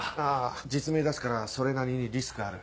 実名出すからそれなりにリスクある。